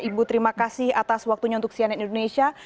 ibu terima kasih atas waktunya untuk cnn indonesia